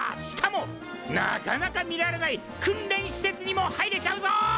しかもなかなか見られない訓練施設にも入れちゃうぞ！